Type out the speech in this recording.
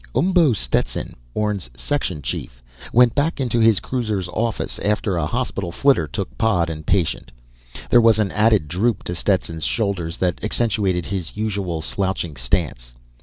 Umbo Stetson, Orne's section chief, went back into his cruiser's "office" after a hospital flitter took pod and patient. There was an added droop to Stetson's shoulders that accentuated his usual slouching stance.